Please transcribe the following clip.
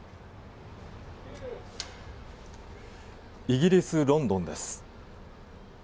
イギリス・ロンドンです。